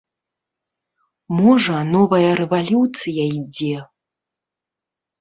Можа, новая рэвалюцыя ідзе.